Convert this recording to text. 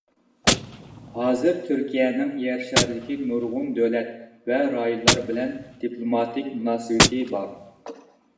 ھازىر تۈركىيەنىڭ يەر شارىدىكى نۇرغۇن دۆلەت ۋە رايونلار بىلەن دىپلوماتىك مۇناسىۋىتى بار.